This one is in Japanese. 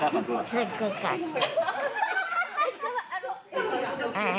すごかった。